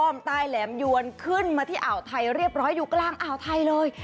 ใต้แหลมยวนขึ้นมาที่อ่าวไทยเรียบร้อยอยู่กลางอ่าวไทยเลย